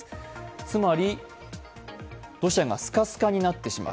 つまり、土砂がスカスカになってしまう。